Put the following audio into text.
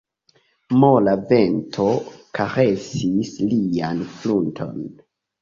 Mola vento karesis lian frunton.